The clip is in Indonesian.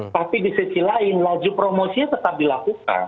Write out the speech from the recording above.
tapi di sisi lain laju promosinya tetap dilakukan